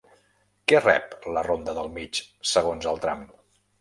Què rep la ronda del Mig segons el tram?